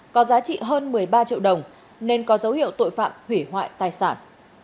có giá trị hơn một mươi ba triệu đồng nên có dấu hiệu tội phạm hủy hoại tài sản